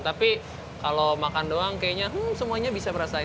tapi kalau makan doang kayaknya semuanya bisa merasakan